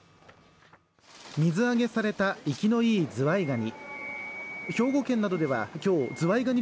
水揚げされた生きのいいズワイガニ。